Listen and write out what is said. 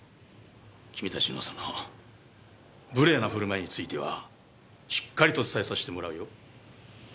君たちのその無礼な振る舞いについてはしっかりと伝えさせてもらうよ。